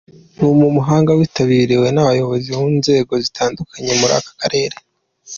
Ni mu muhango witabiriwe n’abayobozi mu nzego zitandukanye muri aka karere.